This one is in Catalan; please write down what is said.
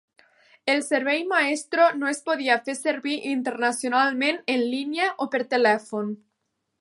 El servei Maestro no es podia fer servir internacionalment en línia o per telèfon.